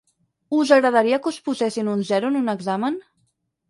Us agradaria que us posessin un zero en un examen?